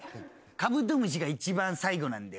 カブトムシが一番最後なんだよ。